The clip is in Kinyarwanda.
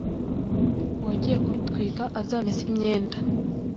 uwagiye kubitwika azamese imyenda